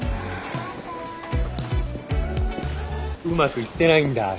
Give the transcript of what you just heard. うまくいってないんだ？